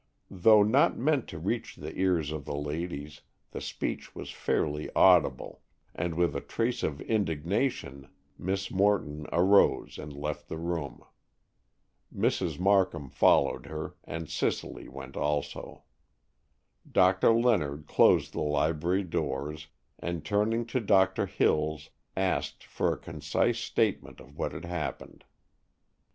Though not meant to reach the ears of the ladies, the speech was fairly audible, and with a trace of indignation Miss Morton arose and left the room. Mrs. Markham followed her, and Cicely went also. Doctor Leonard closed the library doors, and, turning to Doctor Hills, asked for a concise statement of what had happened.